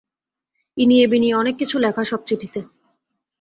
ইনিয়ে-বিনিয়ে অনেক কিছু লেখা সব চিঠিতে।